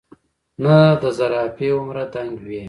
نۀ د زرافه هومره دنګ وي ،